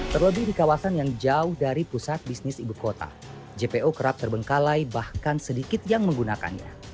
terlebih di kawasan yang jauh dari pusat bisnis ibu kota jpo kerap terbengkalai bahkan sedikit yang menggunakannya